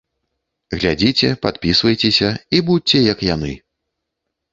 Глядзіце, падпісвайцеся і будзьце як яны!